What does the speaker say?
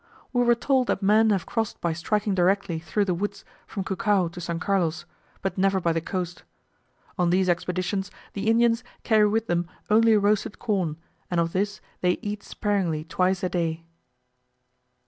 We were told that men have crossed by striking directly through the woods from Cucao to S. Carlos, but never by the coast. On these expeditions, the Indians carry with them only roasted corn, and of this they eat sparingly twice a day.